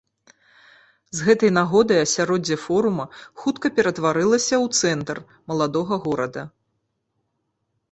З гэтай нагоды асяроддзе форума хутка ператварылася ў цэнтр маладога горада.